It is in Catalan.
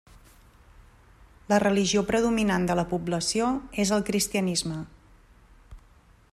La religió predominant de la població és el cristianisme.